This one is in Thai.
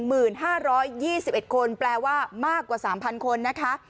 หมื่นห้าร้อยยี่สิบเอ็ดคนแปลว่ามากกว่าสามพันคนนะคะ